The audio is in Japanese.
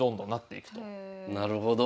なるほど。